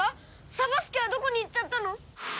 サボ助はどこに行っちゃったの！？